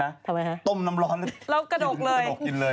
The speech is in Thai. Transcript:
ทำไมคะต้มน้ำร้อนแล้วกระดกเลยโดกกินเลย